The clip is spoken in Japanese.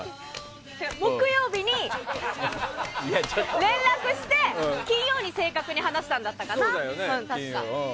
木曜日に連絡して金曜に正確に話したんだったかな。